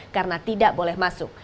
karena tidak boleh masuk